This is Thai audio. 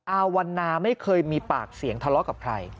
อาวันนาไม่เคยมีปากเสียงทะเลาะกับใคร